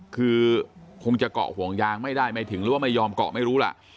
คือคงจะเกาะห่วงยางไม่ได้ไม่ถึงหรือว่าไม่ยอมเกาะไม่รู้ล่ะ